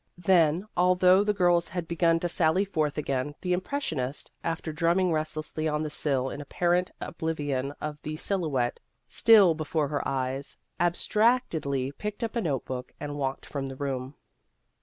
Then, although the girls had begun to sally forth again, the impressionist, after drumming restlessly on the sill in apparent oblivion of the silhouette still before her eyes, ab stractedly picked up a note book, and walked from the room.